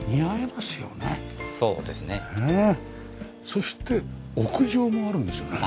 そして屋上もあるんですよね？